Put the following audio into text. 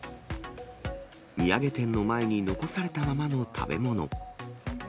土産店の前に残されたままの食べ物。